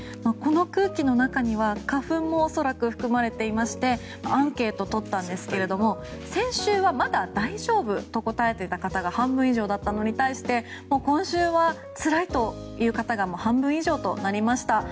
この空気の中には花粉も恐らく含まれていましてアンケートをとったんですが先週はまだ大丈夫と答えていた方が半分以上だったのに対して今週は、つらいという方が半分以上となりました。